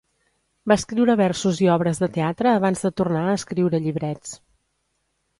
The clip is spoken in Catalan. Va escriure versos i obres de teatre abans de tornar a escriure llibrets.